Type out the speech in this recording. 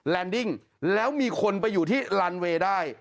แนนดิ้งแล้วมีคนไปอยู่ที่ลันเวย์ได้